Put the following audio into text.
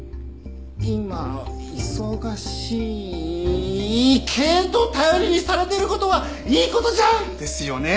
今忙しいけど頼りにされてる事はいい事じゃん！ですよね。